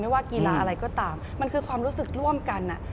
ว่ากีฬาอะไรก็ตามมันคือความรู้สึกร่วมกัน